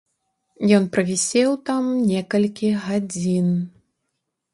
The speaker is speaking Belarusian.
Ён правісеў там некалькі гадзін.